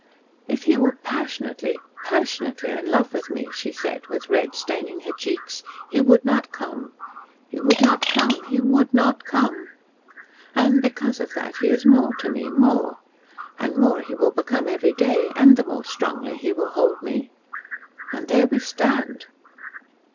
"If he were passionately passionately in love with me," she said, with red staining her cheeks, "he would not come he would not come he would not come. And, because of that, he is more to me MORE! And more he will become every day and the more strongly he will hold me. And there we stand."